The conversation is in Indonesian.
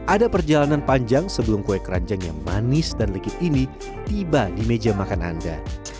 ada perjalanan panjang sebelum kue keranjang yang manis dan legit ini tiba di meja makan anda